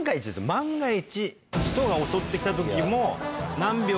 万が一使徒が襲って来た時も。